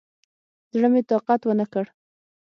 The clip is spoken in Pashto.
زړه مې طاقت ونکړ.